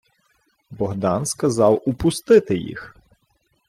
Богдан сказав упустити їх.